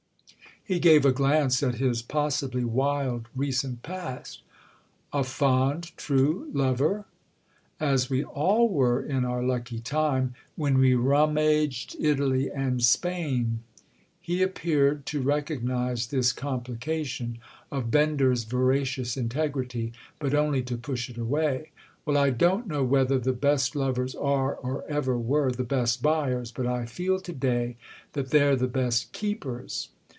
He gave a glance at his possibly wild recent past. "A fond true lover?" "As we all were in our lucky time—when we rum aged Italy and Spain." He appeared to recognise this complication—of Bender's voracious integrity; but only to push it away. "Well, I don't know whether the best lovers are, or ever were, the best buyers—but I feel to day that they're the best keepers."